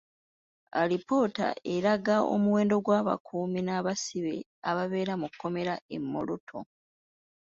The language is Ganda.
Alipoota eraga omuwendo gw'abakuumi n'abasibe ababeera mukkomera e Moroto.